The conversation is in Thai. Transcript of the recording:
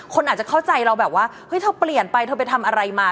คนอาจจะเข้าใจเราแบบว่าเฮ้ยเธอเปลี่ยนไปเธอไปทำอะไรมา